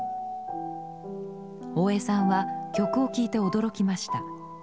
大江さんは曲を聴いて驚きました。